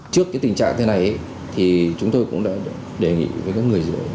trước cái tình trạng thế này thì chúng tôi cũng đã đề nghị với các người dưỡng